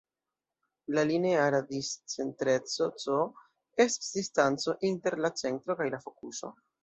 La lineara discentreco "c" estas distanco inter la centro kaj la fokuso.